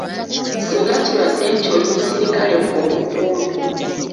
Singa kibadde nti oli muserikale omukuumi.